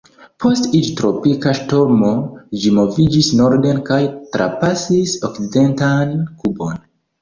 Post iĝi tropika ŝtormo, ĝi moviĝis norden kaj trapasis okcidentan Kubon.